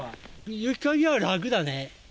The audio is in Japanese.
雪かきは楽だね。